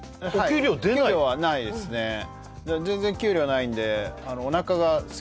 給料はないですねええ